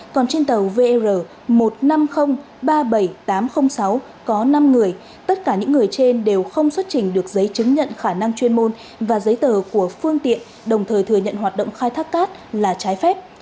còn trên tàu vr một mươi năm nghìn ba mươi bảy tám trăm linh sáu có năm người tất cả những người trên đều không xuất trình được giấy chứng nhận khả năng chuyên môn và giấy tờ của phương tiện đồng thời thừa nhận hoạt động khai thác cát là trái phép